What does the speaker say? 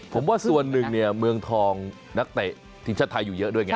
ผมว่าส่วนหนึ่งเนี่ยเมืองทองนักเตะทีมชาติไทยอยู่เยอะด้วยไง